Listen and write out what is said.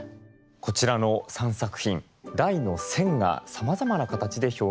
こちらの３作品題の「千」がさまざまな形で表現されていました。